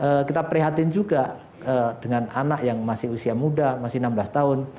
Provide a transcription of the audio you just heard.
ya kita prihatin juga dengan anak yang masih usia muda masih enam belas tahun